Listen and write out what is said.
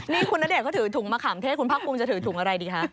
นี่คุณณเดชนเขาถือถุงมะขามเทศคุณภาคภูมิจะถือถุงอะไรดีคะ